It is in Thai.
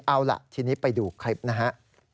เอาล่ะทีนี้ไปดูคลิปนะฮะ